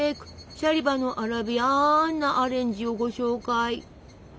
シャリバのアラビアンなアレンジをご紹介！